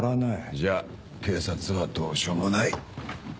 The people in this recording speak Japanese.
じゃあ警察はどうしようもない。